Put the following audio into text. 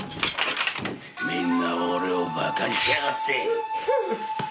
みんな俺をバカにしやがって